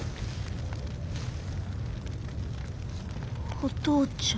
お父ちゃん！